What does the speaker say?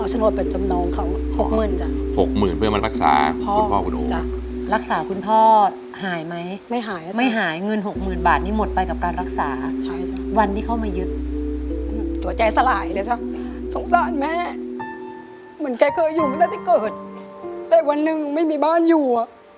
เหมือนแกเคยอยู่มาตั้งแต่เกิดแต่วันหนึ่งไม่มีบ้านอยู่